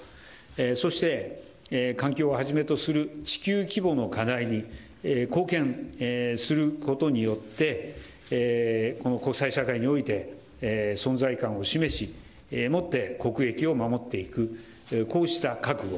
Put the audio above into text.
そして、環境をはじめとする地球規模の課題に貢献することによって、この国際社会において、存在感を示し、もって国益を守っていく、こうした覚悟。